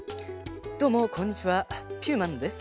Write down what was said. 「どうもこんにちはピューマンです」。